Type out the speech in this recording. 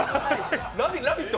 「ラヴィット！」